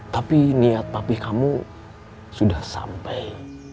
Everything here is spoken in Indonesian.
tapi niat papi kamu sudah sampai